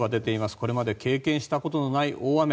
これまで経験したことのない大雨。